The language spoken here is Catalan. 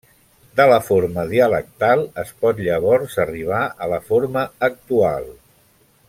De la forma dialectal es pot llavors arribar a la forma actual.